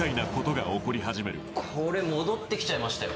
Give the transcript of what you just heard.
これ戻って来ちゃいましたよ。